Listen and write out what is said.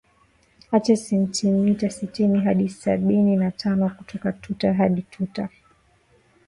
acha sentimita sitini hadi sabini na tano kutoka tuta hadi tuta